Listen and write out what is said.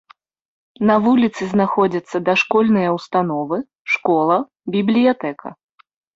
На вуліцы знаходзяцца дашкольныя ўстановы, школа, бібліятэка.